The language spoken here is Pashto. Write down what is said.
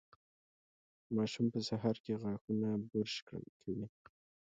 ماشوم په سهار کې غاښونه برش کوي.